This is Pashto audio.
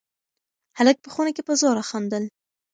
هلک په خونه کې په زوره خندل.